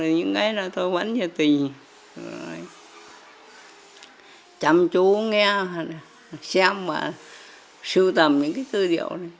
những cái đó tôi vẫn như tìm chăm chú nghe xem và sưu tầm những cái tư liệu này